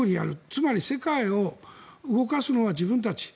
つまり、世界を動かすのは自分たち。